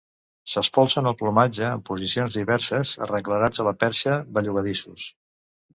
S'espolsen el plomatge en posicions diverses, arrenglerats a la perxa, bellugadissos.